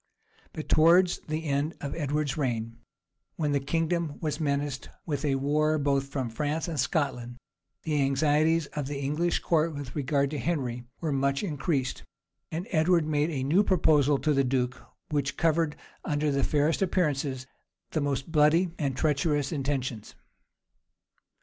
But towards the end of Edward's reign, when the kingdom was menaced with a war both from France and Scotland, the anxieties of the English court with regard to Henry were much increased; and Edward made a new proposal to the duke, which covered, under the fairest appearances, the most bloody and treacherous intentions.